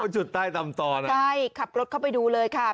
จุดใต้ตำตอนใช่ขับรถเข้าไปดูเลยค่ะ